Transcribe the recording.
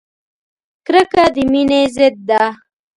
کرکه د مینې ضد ده!